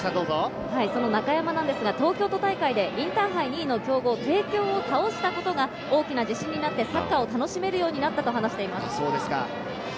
中山ですが、東京都大会でインターハイ２位の強豪・帝京を倒したことが大きな自信になって、サッカーを楽しめるようになったと話しています。